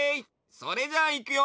それじゃあいくよ！